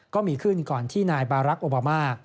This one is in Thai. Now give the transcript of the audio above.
ก็มีขึ้นก่อนที่นายบารักษ์โอบามา